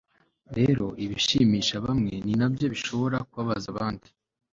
rero ibishimisha bamwe ni nabyo bishobora kubabaza abandi